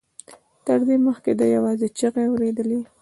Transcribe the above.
تر دې مخکې ده يوازې چيغې اورېدې.